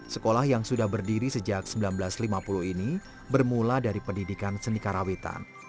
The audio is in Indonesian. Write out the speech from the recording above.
sekolah yang sudah berdiri sejak seribu sembilan ratus lima puluh ini bermula dari pendidikan seni karawitan